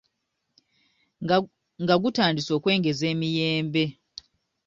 nga gutandise okwengeza emiyembe.